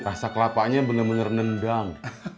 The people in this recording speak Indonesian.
rasa kelapanya bener bener nendang